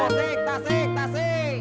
tasik tasik tasik para